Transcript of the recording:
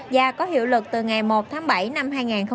và có hiệu lực từ ngày một tháng bảy năm hai nghìn một mươi chín